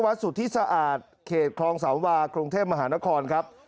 สุธิสะอาดเขตคลองสามวากรุงเทพมหานครครับ